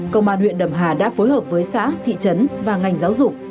công an huyện đầm hà đã phối hợp với xã thị trấn và ngành giáo dục